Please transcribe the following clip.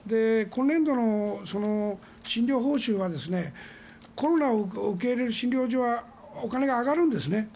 今年度の診療報酬はコロナを受け入れる診療所はお金が上がるんですね